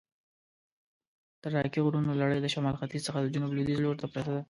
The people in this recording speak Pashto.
د راکي غرونو لړي د شمال ختیځ څخه د جنوب لویدیځ لورته پرته ده.